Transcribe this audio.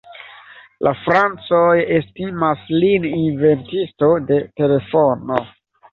La francoj estimas lin inventisto de telefono.